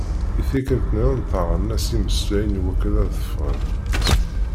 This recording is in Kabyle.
I tikkelt-nniḍen ttaɛren-as yimeslayen iwakken ad ffɣen.